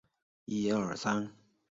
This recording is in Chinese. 原高雄驿同时改称高雄港以为区别。